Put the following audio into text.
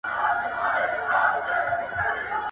د لوږي مړ سه، د بل ډوډۍ ته مه گوره.